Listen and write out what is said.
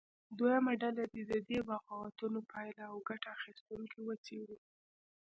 دویمه ډله دې د دې بغاوتونو پایلې او ګټه اخیستونکي وڅېړي.